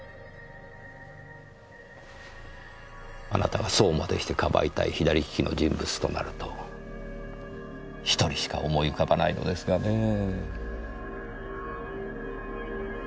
あなたがそうまでして庇いたい左利きの人物となると１人しか思い浮かばないのですがねぇ。